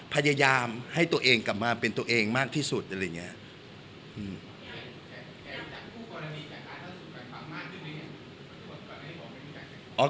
พยายามให้ตัวเองกลับมาเป็นตัวเองมากที่สุดอะไรอย่างนี้